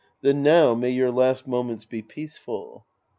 Then now may your last moments be peaceful.